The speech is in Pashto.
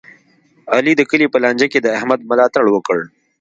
علي د کلي په لانجه کې د احمد ملا تړ وکړ.